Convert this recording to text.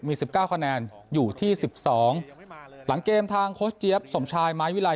มี๑๙คะแนนอยู่ที่๑๒หลังเกมทางโค้ชเจี๊ยบสมชายไม้วิลัย